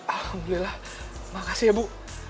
alhamdulillah makasih ya bu